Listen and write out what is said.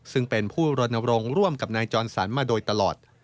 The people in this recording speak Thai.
ซึ่งเป็นผู้รณรงค์ร่วมกับนายจรสันมาโดยตลอด